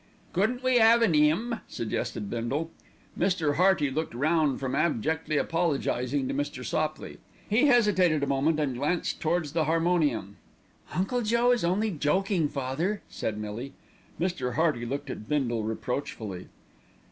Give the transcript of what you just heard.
"Couldn't we 'ave an 'ymn?" suggested Bindle. Mr. Hearty looked round from abjectly apologising to Mr. Sopley. He hesitated a moment and glanced towards the harmonium. "Uncle Joe is only joking, father," said Millie. Mr. Hearty looked at Bindle reproachfully.